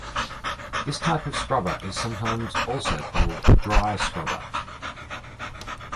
This type of scrubber is sometimes also called dry scrubber.